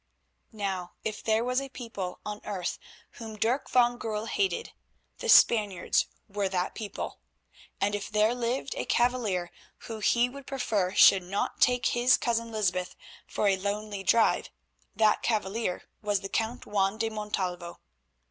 Now if there was a people on earth whom Dirk van Goorl hated, the Spaniards were that people, and if there lived a cavalier who he would prefer should not take his cousin Lysbeth for a lonely drive, that cavalier was the Count Juan de Montalvo.